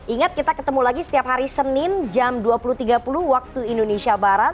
ingat kita ketemu lagi setiap hari senin jam dua puluh tiga puluh waktu indonesia barat